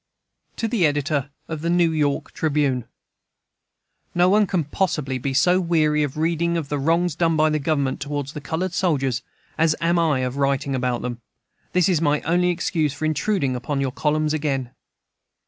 To the Editor of the New York Tribune: No one can possibly be so weary of reading of the wrongs done by Government toward the colored soldiers as am I of writing about them. This is my only excuse for intruding on your columns again.